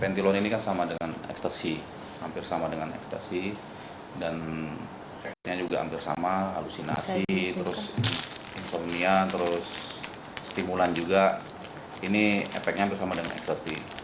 pentilon ini kan sama dengan ekstasi hampir sama dengan ekstasi dan efeknya juga hampir sama halusinasi terus infornia terus stimulan juga ini efeknya hampir sama dengan ekstasi